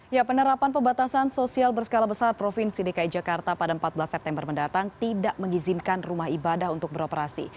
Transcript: ya penerapan pembatasan sosial berskala besar provinsi dki jakarta pada empat belas september mendatang tidak mengizinkan rumah ibadah untuk beroperasi